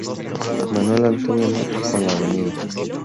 Manuel Antonio Matta con la Av.